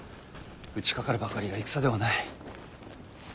打ちかかるばかりが戦ではない。